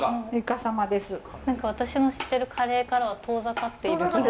何か私の知ってるカレーからは遠ざかっている気が。